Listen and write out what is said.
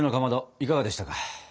いかがでしたか？